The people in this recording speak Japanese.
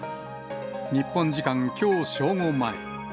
日本時間きょう正午前。